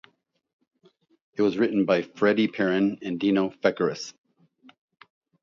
It was written by Freddie Perren and Dino Fekaris.